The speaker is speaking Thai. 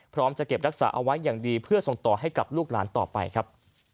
พร้อมจะเก็บรักษาเอาไว้อย่างดีเพื่อส่งต่อให้กับลูกหลานต่อไปครับ